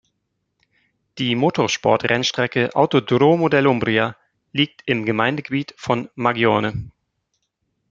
Die Motorsport-Rennstrecke Autodromo dell’Umbria liegt im Gemeindegebiet von Magione.